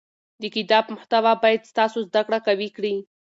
د کتاب محتوا باید ستاسو زده کړه قوي کړي.